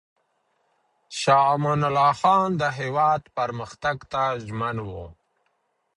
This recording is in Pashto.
شاه امان الله خان د هېواد پرمختګ ته ژمن و.